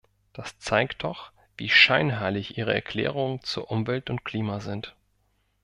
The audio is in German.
Das zeigt doch, wie scheinheilig ihre Erklärungen zu Umwelt und Klima sind.